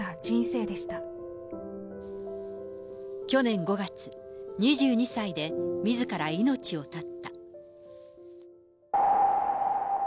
ーねん、去年５月、２２歳でみずから命を絶った。